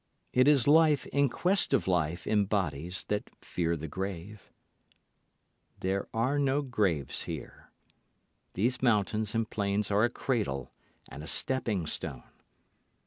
It is life in quest of life in bodies that fear the grave. There are no graves here. These mountains and plains are a cradle and a stepping stone.